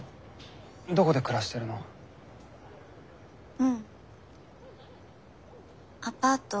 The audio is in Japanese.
うんアパート